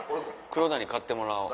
黒田に買ってもらおう。